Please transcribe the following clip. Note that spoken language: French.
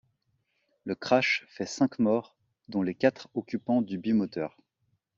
Le crash fait cinq morts dont les quatre occupants du bimoteur.